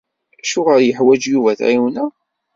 Acuɣer i yeḥwaǧ Yuba ad t-ɛiwneɣ?